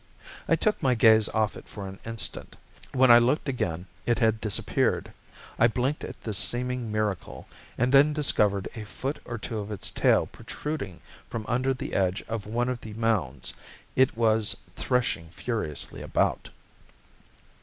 I took my gaze off it for an instant. When I looked again it had disappeared. I blinked at this seeming miracle and then discovered a foot or so of its tail protruding from under the edge of one of the mounds. It was threshing furiously about.